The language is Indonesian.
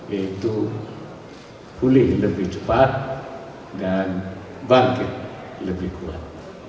yaitu pulih lebih cepat dan bangkit lebih kuat